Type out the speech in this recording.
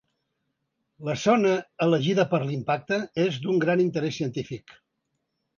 La zona elegida per a l’impacte és d’un gran interès científic.